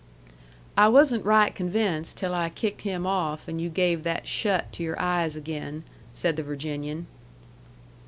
"I wasn't right convinced till I kicked him off and you gave that shut to your eyes again," said the Virginian.